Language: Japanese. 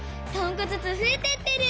３こずつふえてってる！